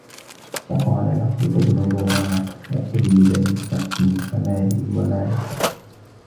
وَقَالَ لَقِيطُ بْنُ زُرَارَةَ وَقُلْ لِبَنِي سَعْدٍ فَمَا لِي وَمَا لَكُمْ